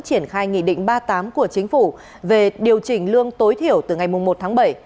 triển khai nghị định ba mươi tám của chính phủ về điều chỉnh lương tối thiểu từ ngày một tháng bảy